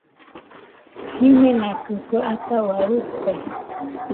Jimenakɨ kue ataua rite